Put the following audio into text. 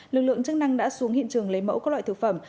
lực lượng chức năng đã xuống hiện trường lấy mẫu các loại thực phẩm